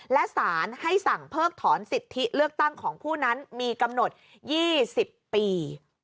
และสารให้สั่งเพิกถอนสิทธิเลือกตั้งของผู้นั้นมีกำหนด๒๐ปี